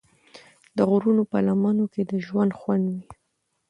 د غرونو په لمنو کې د ژوند خوند وي.